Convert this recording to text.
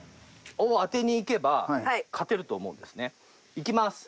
いきます。